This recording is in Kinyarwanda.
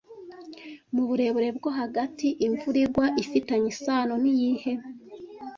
Mu burebure bwo hagati, imvura igwa ifitanye isano niyihe